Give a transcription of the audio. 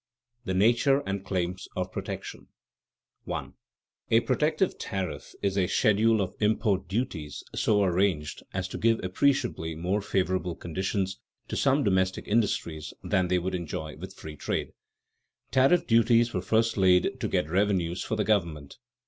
THE NATURE AND CLAIMS OF PROTECTION [Sidenote: Nature of a tariff for revenue] 1. _A protective tariff is a schedule of import duties so arranged as to give appreciably more favorable conditions to some domestic industries than they would enjoy with free trade._ Tariff duties were first laid to get revenues for the government.